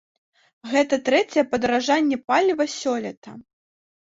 Гэта трэцяе падаражанне паліва сёлета.